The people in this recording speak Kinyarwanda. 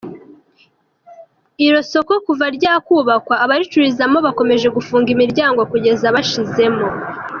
Iro soko kuva ryakubakwa abaricururizamo bakomeje gufunga imiryango kugeza bashizemo.